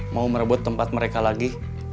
mau merebut tempat mereka lagi